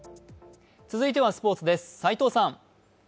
続いてはスポーツです。